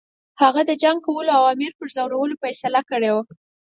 هغه د جنګ کولو او د امیر پرزولو فیصله کړې وه.